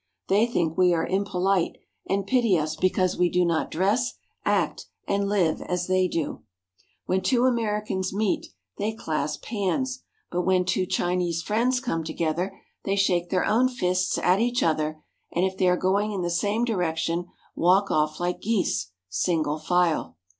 They think we are impolite, and pity us because we do not dress, act, and live as they do. When two Americans meet, they clasp hands, but when t\yo Chinese friends come together, they shake their own CURIOUS CHINESE CUSTOMS 171 fists at each other, and if they are going in the s.ame direc tion, walk off Hke geese, single file.